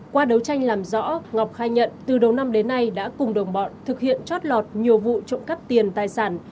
qua đấu tranh làm rõ ngọc khai nhận từ đầu năm đến nay đã cùng đồng bọn thực hiện trót lọt nhiều vụ trộm cắp tiền tài sản